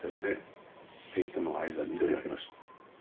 塀との間緑あります。